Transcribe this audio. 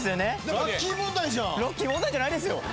ラッキー問題じゃないですよ！